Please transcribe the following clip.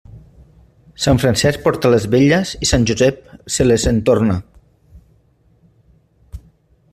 Sant Francesc porta les vetlles, i Sant Josep se les entorna.